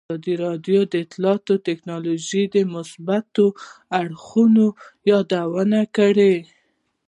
ازادي راډیو د اطلاعاتی تکنالوژي د مثبتو اړخونو یادونه کړې.